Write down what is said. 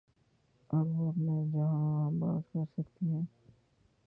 اور وہ اپنا جہاں آباد کر سکتی ہے۔